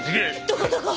どこどこ？